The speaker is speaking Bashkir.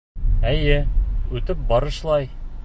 Эйе, үтеп барышлай.